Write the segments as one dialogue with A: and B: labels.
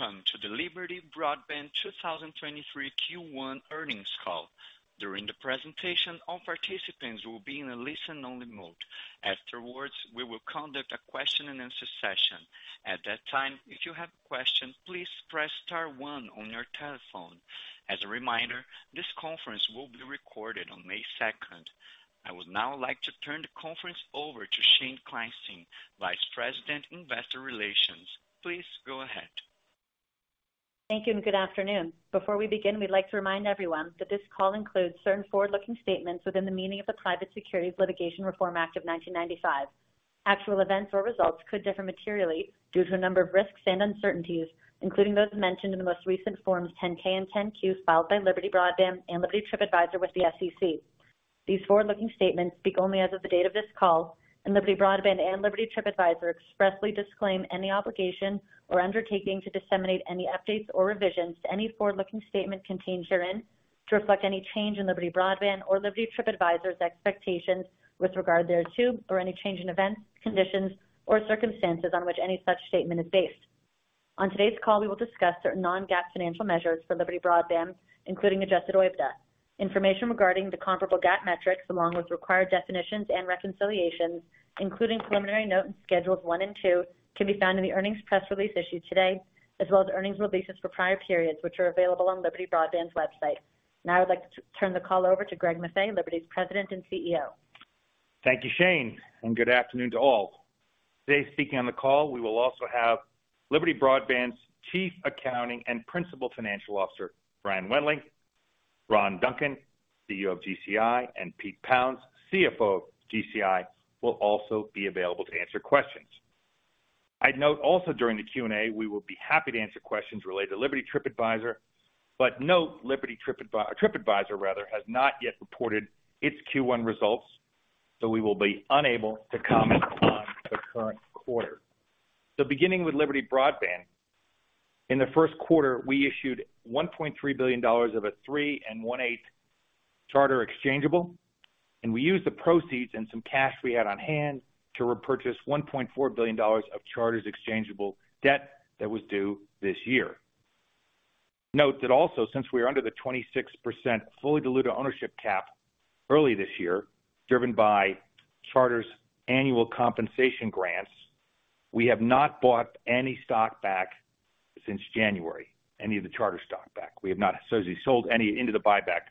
A: Welcome to the Liberty Broadband 2023 Q1 earnings call. During the presentation, all participants will be in a listen only mode. Afterwards, we will conduct a question and answer session. At that time, if you have questions, please press star 1 on your telephone. As a reminder, this conference will be recorded on May second. I would now like to turn the conference over to Shane Kleinstein, Vice President, Investor Relations. Please go ahead.
B: Thank you and good afternoon. Before we begin, we'd like to remind everyone that this call includes certain forward-looking statements within the meaning of the Private Securities Litigation Reform Act of 1995. Actual events or results could differ materially due to a number of risks and uncertainties, including those mentioned in the most recent forms 10-K and 10-Q filed by Liberty Broadband and Liberty TripAdvisor with the SEC. These forward-looking statements speak only as of the date of this call, and Liberty Broadband and Liberty TripAdvisor expressly disclaim any obligation or undertaking to disseminate any updates or revisions to any forward-looking statement contained herein to reflect any change in Liberty Broadband or Liberty TripAdvisor's expectations with regard thereto, or any change in events, conditions or circumstances on which any such statement is based. On today's call, we will discuss certain non-GAAP financial measures for Liberty Broadband, including adjusted OIBDA. Information regarding the comparable GAAP metrics, along with required definitions and reconciliations, including preliminary note and schedules 1 and 2, can be found in the earnings press release issued today, as well as earnings releases for prior periods, which are available on Liberty Broadband's website. Now I'd like to turn the call over to Greg Maffei, Liberty's President and CEO.
C: Thank you, Shane, and good afternoon to all. Today, speaking on the call, we will also have Liberty Broadband's Chief Accounting and Principal Financial Officer, Brian Wendling. Ron Duncan, CEO of GCI, and Pete Pounds, CFO of GCI, will also be available to answer questions. I'd note also during the Q&A, we will be happy to answer questions related to Liberty TripAdvisor, but note Liberty TripAdvisor, rather, has not yet reported its Q1 results, so we will be unable to comment on the current 1/4. Beginning with Liberty Broadband, in the first 1/4, we issued $1.3 billion of a 3 and 1/8 Charter exchangeable, and we used the proceeds and some cash we had on hand to repurchase $1.4 billion of Charter's exchangeable debt that was due this year. Note that also, since we are under the 26% fully diluted ownership cap early this year, driven by Charter's annual compensation grants, we have not bought any stock back since January, any of the Charter stock back. We have not sold any into the buyback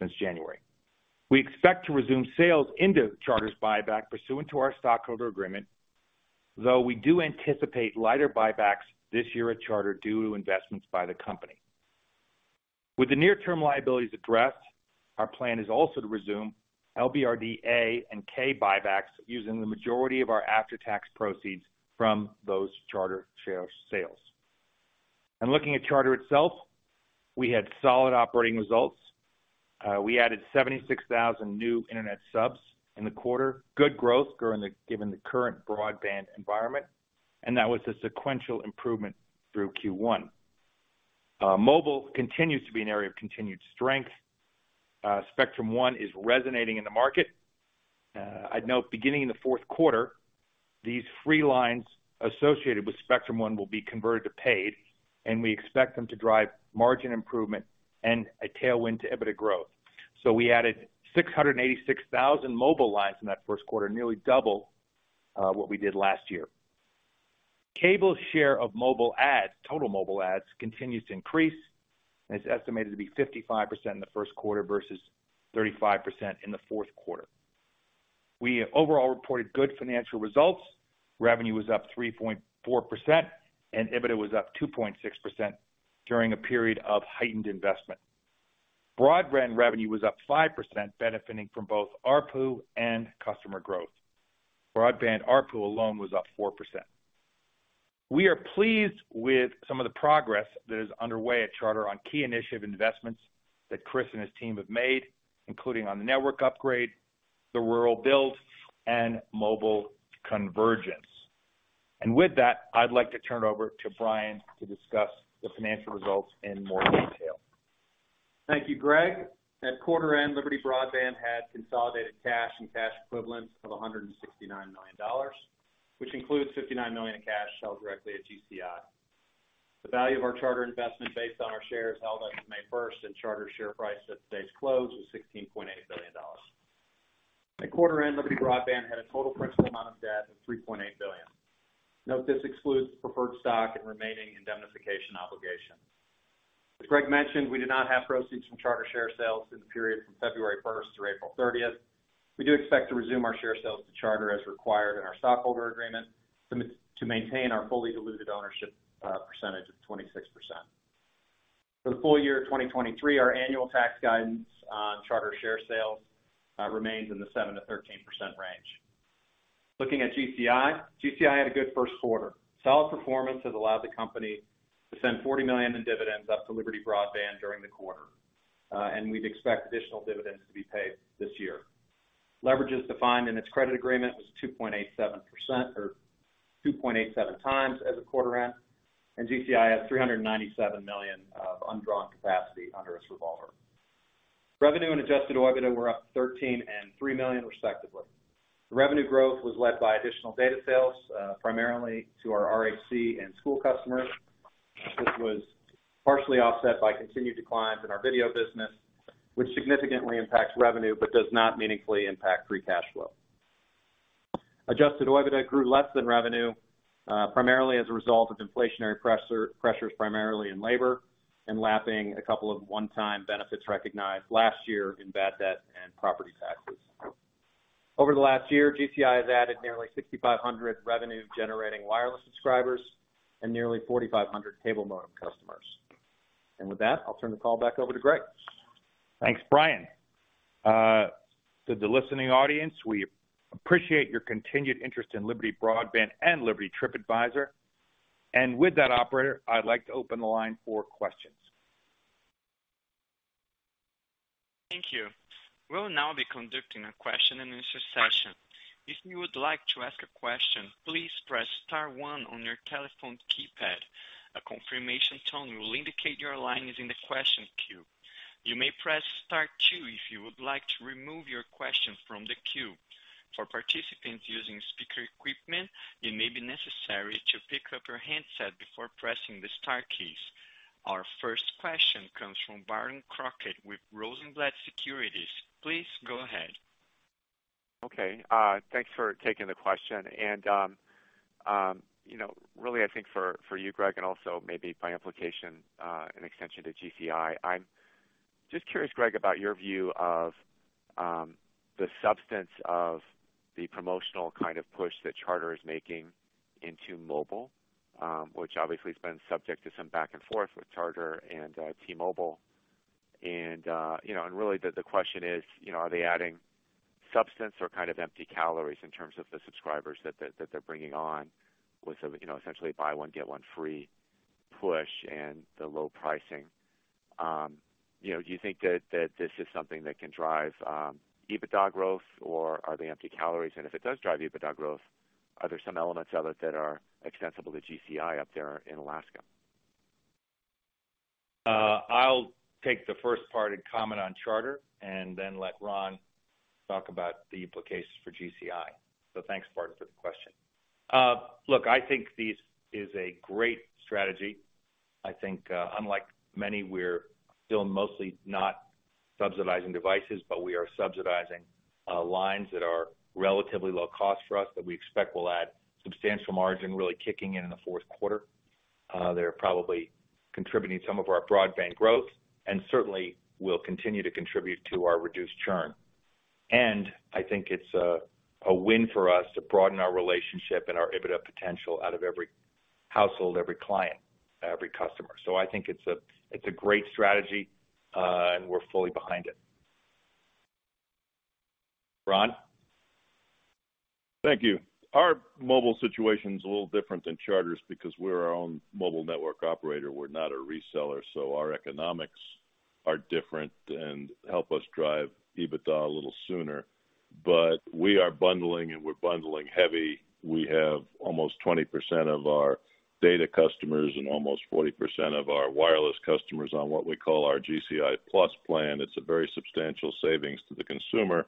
C: since January. We expect to resume sales into Charter's buyback pursuant to our stockholder agreement, though we do anticipate lighter buybacks this year at Charter due to investments by the company. With the near term liabilities addressed, our plan is also to resume LBRDA and K buybacks using the majority of our after-tax proceeds from those Charter share sales. Looking at Charter itself, we had solid operating results. We added 76,000 new internet subs in the 1/4. Good growth given the current broadband environment, that was a sequential improvement through Q1. Mobile continues to be an area of continued strength. Spectrum 1 is resonating in the market. I'd note beginning in the 4th 1/4, these free lines associated with Spectrum 1 will be converted to paid, and we expect them to drive margin improvement and a tailwind to EBITDA growth. We added 686,000 mobile lines in that first 1/4, nearly double what we did last year. Cable's share of mobile adds, total mobile adds, continues to increase, and it's estimated to be 55% in the first 1/4 versus 35% in the 4th 1/4. We overall reported good financial results. Revenue was up 3.4% and EBITDA was up 2.6% during a period of heightened investment. Broadband revenue was up 5%, benefiting from both ARPU and customer growth. Broadband ARPU alone was up 4%. We are pleased with some of the progress that is underway at Charter on key initiative investments that Chris and his team have made, including on the network upgrade, the rural build and mobile convergence. With that, I'd like to turn it over to Brian to discuss the financial results in more detail.
D: Thank you, Greg. At 1/4 end, Liberty Broadband had consolidated cash and cash equivalents of $169 million, which includes $59 million in cash held directly at GCI. The value of our Charter investment based on our shares held as of May 1st and Charter share price at today's close was $16.8 billion. At 1/4 end, Liberty Broadband had a total principal amount of debt of $3.8 billion. Note this excludes preferred stock and remaining indemnification obligations. As Greg mentioned, we do not have proceeds from Charter share sales in the period from February 1st through April 30th. We do expect to resume our share sales to Charter as required in our stockholder agreement to maintain our fully diluted ownership percentage of 26%. For the full year 2023, our annual tax guidance on Charter share sales remains in the 7%-13% range. Looking at GCI. GCI had a good first 1/4. Solid performance has allowed the company to send $40 million in dividends up to Liberty Broadband during the 1/4. We'd expect additional dividends to be paid this year. Leverage is defined in its credit agreement was 2.87% or 2.87x as of 1/4 end. GCI has $397 million of undrawn capacity under its revolver. Revenue and Adjusted OIBDA were up $13 million and $3 million respectively. The revenue growth was led by additional data sales, primarily to our RHC and school customers. This was partially offset by continued declines in our video business, which significantly impacts revenue but does not meaningfully impact free cash flow. Adjusted OIBDA grew less than revenue, primarily as a result of inflationary pressures, primarily in labor and lapping a couple of one-time benefits recognized last year in bad debt and property taxes. Over the last year, GCI has added nearly 6,500 revenue generating wireless subscribers and nearly 4,500 cable modem customers. With that, I'll turn the call back over to Greg.
C: Thanks, Brian. To the listening audience, we appreciate your continued interest in Liberty Broadband and Liberty TripAdvisor. With that operator, I'd like to open the line for questions.
A: Thank you. We'll now be conducting a question and answer session. If you would like to ask a question, please press star 1 on your telephone keypad. A confirmation tone will indicate your line is in the question queue. You may press star 2 if you would like to remove your question from the queue. For participants using speaker equipment, it may be necessary to pick up your handset before pressing the star keys. Our first question comes from Barton Crockett with Rosenblatt Securities. Please go ahead.
E: Okay. Thanks for taking the question. You know, really, I think for you, Greg, and also maybe by implication, an extension to GCI. I'm just curious, Greg, about your view of the substance of the promotional kind of push that Charter is making into mobile, which obviously has been subject to some back and forth with Charter and T-Mobile. You know, and really the question is, you know, are they adding substance or kind of empty calories in terms of the subscribers that they're bringing on with, you know, essentially buy 1, get 1 free push and the low pricing? You know, do you think that this is something that can drive EBITDA growth, or are they empty calories? If it does drive EBITDA growth, are there some elements of it that are extensible to GCI up there in Alaska?
C: I'll take the first part and comment on Charter and then let Ron talk about the implications for GCI. Thanks, Barton, for the question. Look, I think this is a great strategy. I think, unlike many, we're still mostly not subsidizing devices, but we are subsidizing, lines that are relatively low cost for us that we expect will add substantial margin, really kicking in in the 4th 1/4. They're probably contributing some of our broadband growth and certainly will continue to contribute to our reduced churn. I think it's a win for us to broaden our relationship and our EBITDA potential out of every household, every client, every customer. I think it's a great strategy, and we're fully behind it. Ron?
F: Thank you. Our mobile situation is a little different than Charter's because we're our own mobile network operator. We're not a reseller, our economics are different and help us drive EBITDA a little sooner. We are bundling, and we're bundling heavy. We have almost 20% of our data customers and almost 40% of our wireless customers on what we call our GCI+ plan. It's a very substantial savings to the consumer.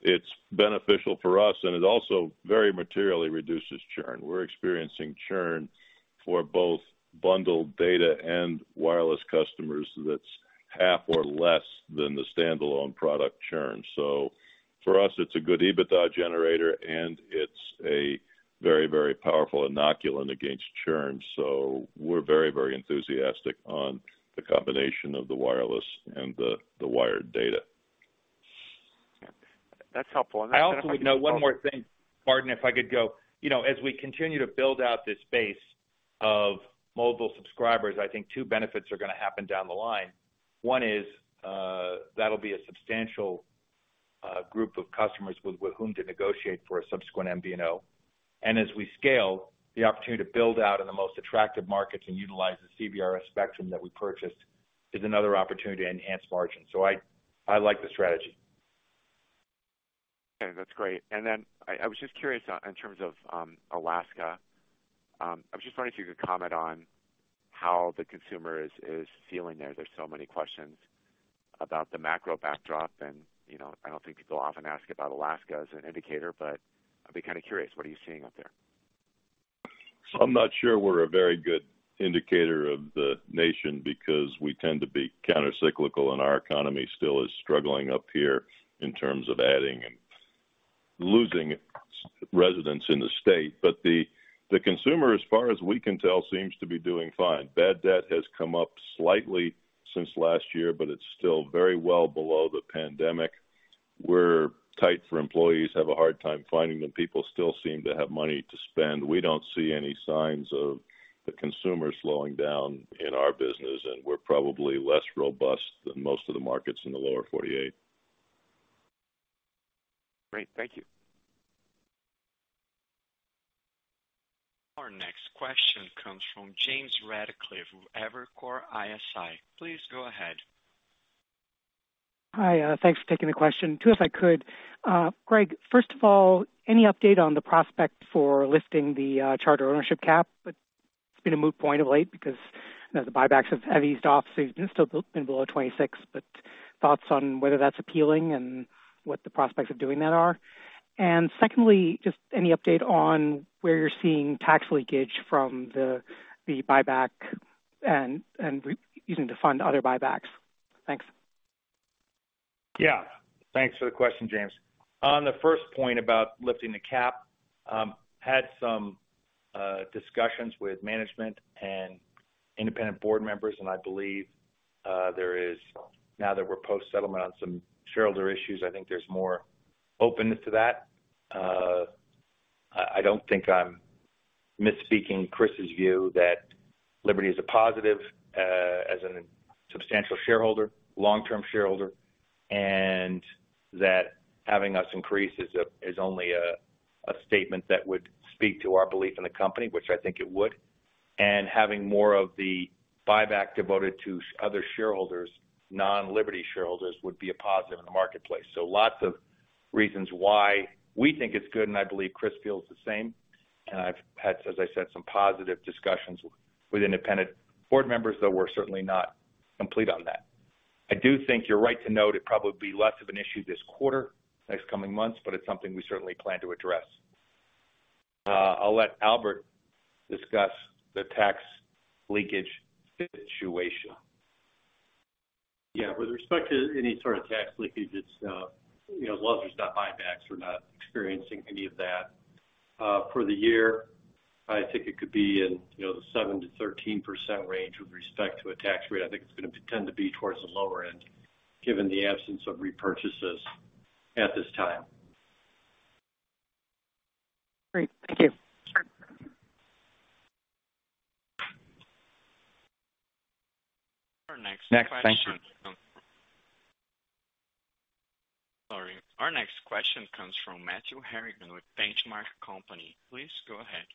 F: It's beneficial for us, it also very materially reduces churn. We're experiencing churn for both bundled data and wireless customers that's 1/2 or less than the standalone product churn. For us, it's a good EBITDA generator, it's a very, very powerful inoculant against churn. We're very, very enthusiastic on the combination of the wireless and the wired data.
E: That's helpful.
C: I also know 1 more thing, Barton, if I could go. You know, as we continue to build out this base of mobile subscribers, I think 2 benefits are gonna happen down the line. 1 is, that'll be a substantial group of customers with whom to negotiate for a subsequent MVNO. As we scale, the opportunity to build out in the most attractive markets and utilize the CBRS spectrum that we purchased is another opportunity to enhance margin. I like the strategy.
E: Okay, that's great. I was just curious, in terms of Alaska, I was just wondering if you could comment on how the consumer is feeling there. There's so many questions about the macro backdrop and, you know, I don't think people often ask about Alaska as an indicator, but I'd be kind of curious, what are you seeing up there?
F: I'm not sure we're a very good indicator of the nation because we tend to be countercyclical and our economy still is struggling up here in terms of adding and losing residents in the state. The consumer, as far as we can tell, seems to be doing fine. Bad debt has come up slightly since last year, but it's still very well below the pandemic. We're tight for employees, have a hard time finding them. People still seem to have money to spend. We don't see any signs of the consumer slowing down in our business, and we're probably less robust than most of the markets in the lower forty-eight.
E: Great. Thank you.
A: Our next question comes from James Ratcliffe, Evercore ISI. Please go ahead.
G: Hi, thanks for taking the question. 2, if I could. Greg, first of all, any update on the prospect for lifting the Charter ownership cap? It's been a moot point of late because, you know, the buybacks have eased off, so you've still been below 26, but thoughts on whether that's appealing and what the prospects of doing that are? Secondly, just any update on where you're seeing tax leakage from the buyback and using to fund other buybacks? Thanks.
C: Thanks for the question, James. On the first point about lifting the cap, had some discussions with management and independent board members, and I believe there is now that we're post-settlement on some shareholder issues, I think there's more openness to that. I don't think I'm misspeaking Chris's view that Liberty is a positive as an substantial shareholder, long-term shareholder, and that having us increase is only a statement that would speak to our belief in the company, which I think it would. Having more of the buyback devoted to other shareholders, non-Liberty shareholders, would be a positive in the marketplace. Lots of reasons why we think it's good, and I believe Chris feels the same. I've had, as I said, some positive discussions with independent board members, though we're certainly not complete on that. I do think you're right to note it'd probably be less of an issue this 1/4, next coming months, but it's something we certainly plan to address. I'll let Albert discuss the tax leakage situation.
H: Yeah. With respect to any sort of tax leakage, it's, you know, as long as there's not buybacks, we're not experiencing any of that. For the year, I think it could be in, you know, the 7%-13% range with respect to a tax rate. I think it's gonna tend to be towards the lower end given the absence of repurchases at this time.
G: Great. Thank you.
C: Sure.
A: Our next question-
G: Next. Thank you.
A: Sorry. Our next question comes from Matthew Harrigan with The Benchmark Company. Please go ahead.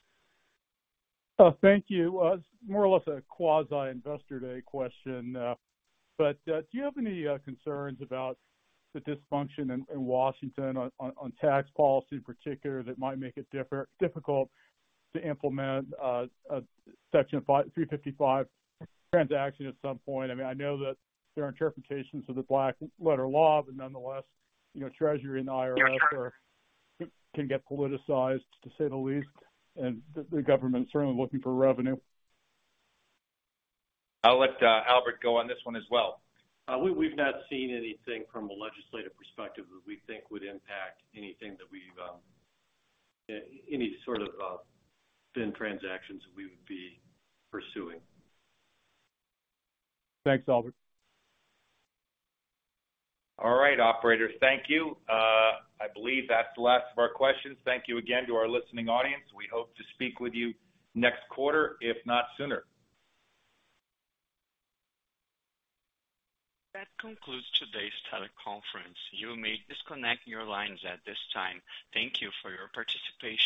I: Thank you. It's more or less a quasi-investor day question. Do you have any concerns about the dysfunction in Washington on tax policy in particular that might make it difficult to implement a Section 355 transaction at some point? I mean, I know that there are interpretations of the black letter law, but nonetheless, you know, Treasury and IRS are... can get politicized, to say the least. The government's certainly looking for revenue.
C: I'll let Albert go on this 1 as well.
H: We've not seen anything from a legislative perspective that we think would impact anything that we've any sort of spin transactions that we would be pursuing.
I: Thanks, Albert.
C: All right, Operator. Thank you. I believe that's the last of our questions. Thank you again to our listening audience. We hope to speak with you next 1/4, if not sooner.
A: That concludes today's teleconference. You may disconnect your lines at this time. Thank you for your participation.